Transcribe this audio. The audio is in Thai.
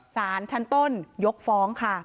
สารชั้นต้นยกฟ้องค่ะ